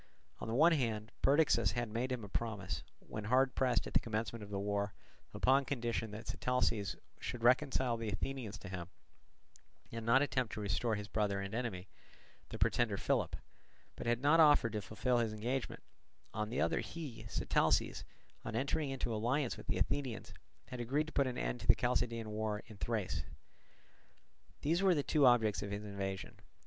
On the one hand Perdiccas had made him a promise, when hard pressed at the commencement of the war, upon condition that Sitalces should reconcile the Athenians to him and not attempt to restore his brother and enemy, the pretender Philip, but had not offered to fulfil his engagement; on the other he, Sitalces, on entering into alliance with the Athenians, had agreed to put an end to the Chalcidian war in Thrace. These were the two objects of his invasion.